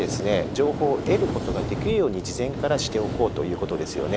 情報を得ることができるように事前からしておこうということですよね。